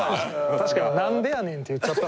確かに「なんでやねん」って言っちゃった。